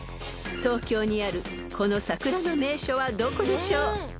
［東京にあるこの桜の名所はどこでしょう？］